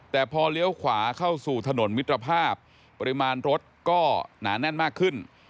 แต่พอเลี้ยวขวาเข้าสู่ถนนมิตรภาพปริมาณรถก็หนาแน่นมากขึ้น